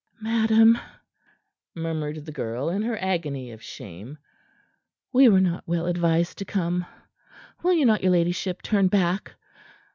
"Madam," murmured the girl, in her agony of shame, "we were not well advised to come. Will not your ladyship turn back?"